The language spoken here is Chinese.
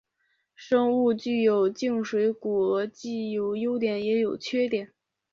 生物具有静水骨骼既有优点也有缺点。